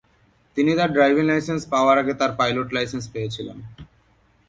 তিনি তার driving licence পাওয়ার আগে তার পাইলট লাইসেন্স পেয়েছিলেন।